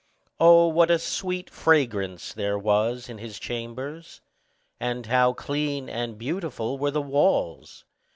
Oh, what sweet fragrance there was in his chambers! and how clean and beautiful were the walls!